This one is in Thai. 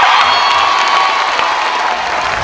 ได้ครับ